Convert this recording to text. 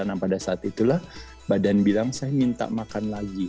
nah pada saat itulah badan bilang saya minta makan lagi